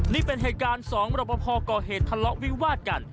นี่เป็นเหตุการณ์สองรบพอก่อเหตุทะเลาะวิวาดกัน